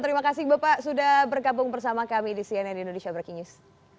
terima kasih bapak sudah bergabung bersama kami di cnn indonesia breaking news